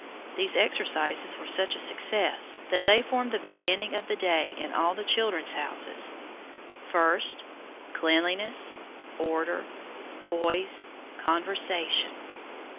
These exercises were such a success that they formed the beginning of the day in all of the "Children's Houses." First: Cleanliness. Order. Poise. Conversation.